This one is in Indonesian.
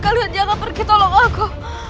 kalian jangan pergi tolong aku